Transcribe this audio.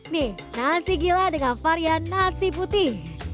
nih nasi gila dengan varian nasi putih